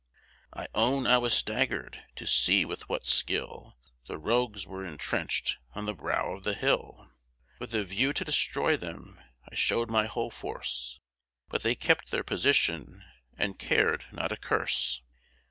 I own I was stagger'd, to see with what skill The rogues were intrenched, on the brow of the hill; With a view to dismay them, I show'd my whole force, But they kept their position, and car'd not a curse.